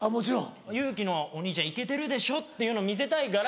有輝のお兄ちゃんイケてるでしょっていうのを見せたいから。